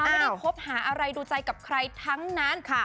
ไม่ได้คบหาอะไรดูใจกับใครทั้งนั้น